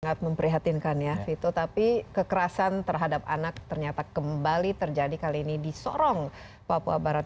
sangat memprihatinkan ya vito tapi kekerasan terhadap anak ternyata kembali terjadi kali ini di sorong papua barat